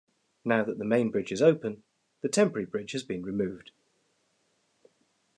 Now that the main bridge is open, the temporary bridge has been removed.